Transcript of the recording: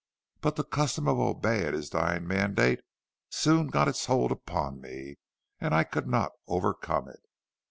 But the custom of obeying his dying mandate soon got its hold upon me, and I could not overcome it.